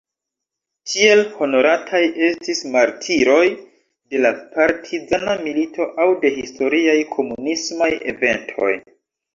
Tiel honorataj estis martiroj de la partizana milito aŭ de historiaj komunismaj eventoj.